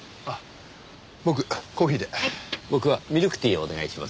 僕はミルクティーをお願いします。